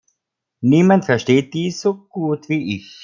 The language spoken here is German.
Niemand versteht dies so gut wie ich.